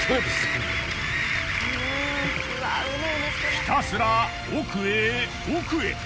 ひたすら奥へ奥へ。